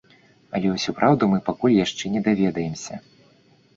Але ўсю праўду мы пакуль яшчэ не даведаемся.